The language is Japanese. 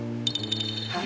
はい。